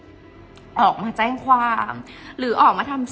เพราะในตอนนั้นดิวต้องอธิบายให้ทุกคนเข้าใจหัวอกดิวด้วยนะว่า